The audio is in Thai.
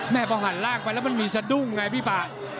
พอหันล่างไปแล้วมันมีสะดุ้งไงพี่ป่า